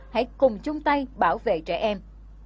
hãy cùng chung tay bảo vệ trẻ em